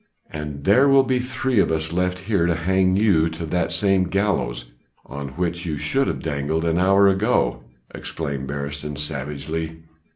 "And there will be three of us left here to hang you to that same gallows on which you should have dangled an hour ago," exclaimed Beresteyn savagely.